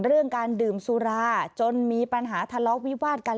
เรื่องการดื่มสุราจนมีปัญหาทะเลาะวิวาดกัน